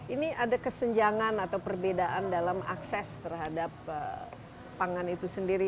ini ada kesenjangan atau perbedaan dalam akses terhadap pangan itu sendiri